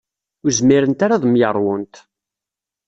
Ur zmirent ara ad myeṛwunt.